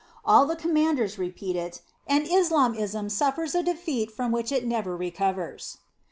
All the commanders repeat it, and Islamism suffers a defeat from which it never recovers.